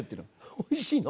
おいしいの？